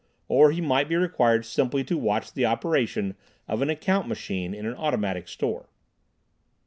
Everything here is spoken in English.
Or he might be required simply to watch the operation of an account machine in an automatic store.